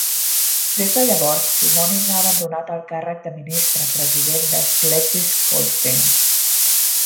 Des de llavors, Simonis ha abandonat el càrrec de ministre president de Schleswig-Holstein.